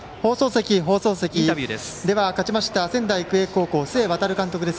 放送席、勝ちました仙台育英高校の須江航監督です。